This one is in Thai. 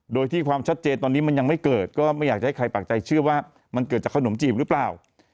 โดยที่ความชัดเจนตอนนี้มันยังไม่เกิดก็ไม่อยากจะให้ใครปากใจเชื่อว่ามันเกิดจากขนมจีบหรือเปล่า